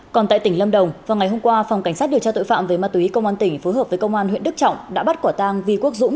còn tại tỉnh lâm đồng vào ngày hôm qua phòng cảnh sát điều tra tội phạm về ma túy công an tỉnh phối hợp với công an huyện đức trọng đã bắt quả tang vi quốc dũng